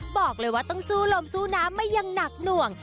บอกเลยว่าต้องสู้ลมสู้น้ำมาอย่างหนักหน่วง